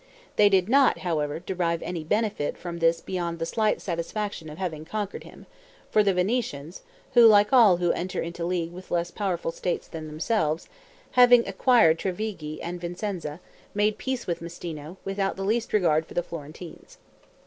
They did not, however, derive any benefit from this beyond the slight satisfaction of having conquered him; for the Venetians, like all who enter into league with less powerful states than themselves, having acquired Trevigi and Vicenza, made peace with Mastino without the least regard for the Florentines.